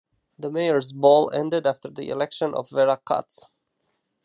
The Mayor's Ball ended after the election of Vera Katz.